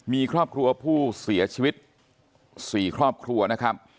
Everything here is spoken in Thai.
มีครอบครัวผู้เสียชีวิต๔ครอบครัวนะครับ